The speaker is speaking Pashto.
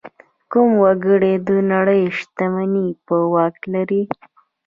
کم وګړي د نړۍ شتمني په واک لري.